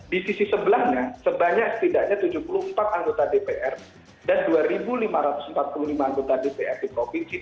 di sisi sebelahnya sebanyak setidaknya tujuh puluh empat anggota dpr dan dua lima ratus empat puluh lima anggota dpr di provinsi